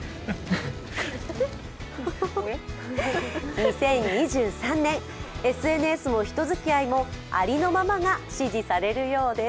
２０２３年はＳＮＳも人づきあいもありのままが支持されるようです。